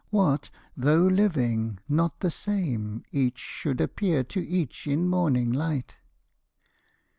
What, though living, not the same Each should appear to each in morning light?